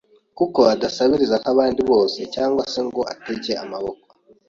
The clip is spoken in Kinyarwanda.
kuko adasabiriza nk’abandi bose cyangwa se ngo atege amaboko,